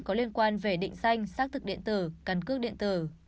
có liên quan về định danh xác thực điện tử căn cước điện tử